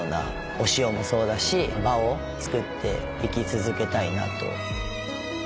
お塩もそうだし場を作っていき続けたいなと。